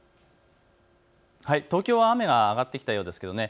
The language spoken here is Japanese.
東京は雨が上がってきたようですけどね。